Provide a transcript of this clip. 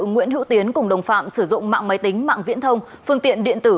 nguyễn hữu tiến cùng đồng phạm sử dụng mạng máy tính mạng viễn thông phương tiện điện tử